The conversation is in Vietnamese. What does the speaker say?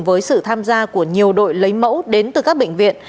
với sự tham gia của nhiều đội lấy mẫu đến từ các bệnh viện